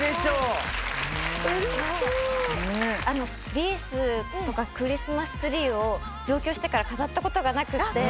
リースとかクリスマスツリーを上京してから飾ったことがなくって。